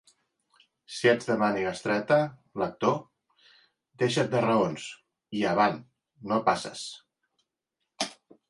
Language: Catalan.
Si ets de màniga estreta, lector, deixa't de raons, i avant no passes!